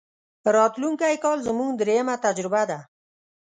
راتلونکی کال زموږ درېمه تجربه ده.